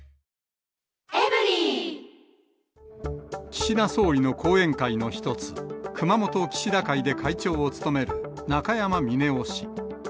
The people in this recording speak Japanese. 岸田総理の後援会の一つ、熊本岸田会で会長を務める中山峰男氏。